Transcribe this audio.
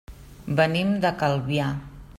Venim de Calvià.